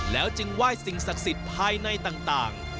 แล้วจึงไหว้สิ่งศักดิ์สิทธิ์ภายในต่าง